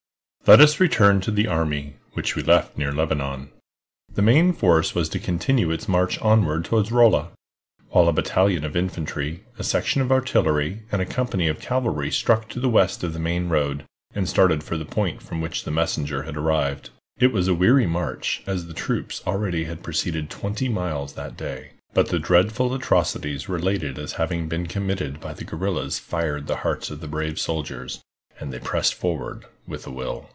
_ LET us return to the army, which we left near Lebanon. The main force was to continue its march onward toward Rolla, while a battalion of infantry, a section of artillery, and a company of cavalry struck to the west of the main road, and started for the point from which the messenger had arrived. It was a weary march, as the troops already had proceeded twenty miles that day. But the dreadful atrocities related as having been committed by the guerrillas fired the hearts of the brave soldiers, and they pressed forward with a will.